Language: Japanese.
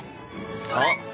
そう。